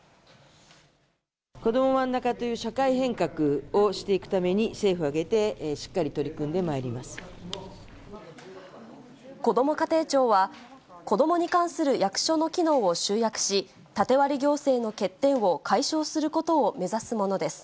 こども真ん中という社会変革をしていくために、政府を挙げてこども家庭庁は、子どもに関する役所の機能を集約し、縦割り行政の欠点を解消することを目指すものです。